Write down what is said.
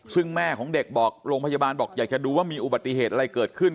ซึ่งแม่ของเด็กบอกโรงพยาบาลบอกอยากจะดูว่ามีอุบัติเหตุอะไรเกิดขึ้น